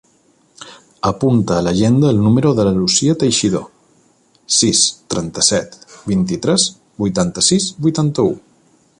Apunta a l'agenda el número de la Lucía Teixido: sis, trenta-set, vint-i-tres, vuitanta-sis, vuitanta-u.